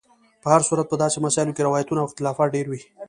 په هر صورت په داسې مسایلو کې روایتونو او اختلافات ډېر وي.